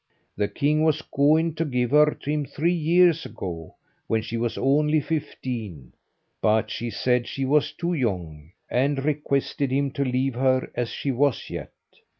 The king was going to give her to him three years ago, when she was only fifteen, but she said she was too young, and requested him to leave her as she was yet.